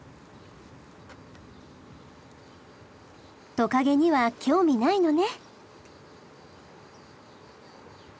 トカゲには興味ないのね。